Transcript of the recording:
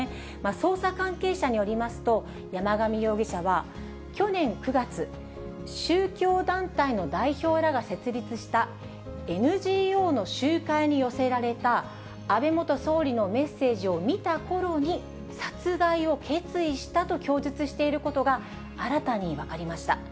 捜査関係者によりますと、山上容疑者は、去年９月、宗教団体の代表らが設立したＮＧＯの集会に寄せられた安倍元総理のメッセージを見たころに、殺害を決意したと供述していることが新たに分かりました。